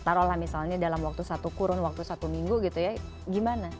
taruhlah misalnya dalam waktu satu kurun waktu satu minggu gitu ya gimana